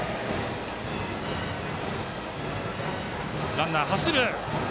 ランナー、走る。